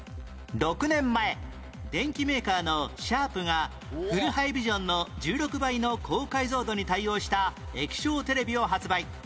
６年前電機メーカーのシャープがフルハイビジョンの１６倍の高解像度に対応した液晶テレビを発売